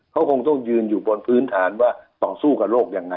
เขาคงต้องยืนอยู่บนพื้นฐานว่าต่อสู้กับโรคยังไง